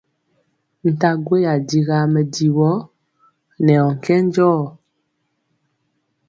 Nta gweya digaa mɛdivɔ nɛ ɔ nkɛnjɔɔ.